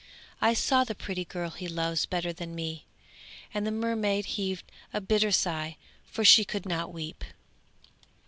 I saw the pretty girl he loves better than me.' And the mermaid heaved a bitter sigh, for she could not weep.